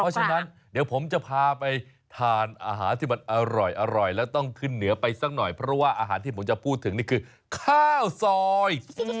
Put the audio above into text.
เพราะฉะนั้นเดี๋ยวผมจะพาไปทานอาหารที่มันอร่อยแล้วต้องขึ้นเหนือไปสักหน่อยเพราะว่าอาหารที่ผมจะพูดถึงนี่คือข้าวซอย